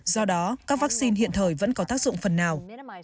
do đó các vaccine hiện thời vẫn có tác dụng phần nào